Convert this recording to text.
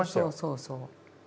そうそうそうそう。